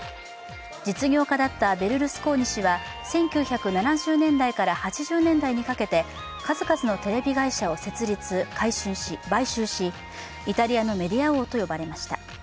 実業家だったベルルスコーニ氏は１８７０年代から８０年代にかけて数々のテレビ会社を設立・買収し、イタリアのメディア王と呼ばれました。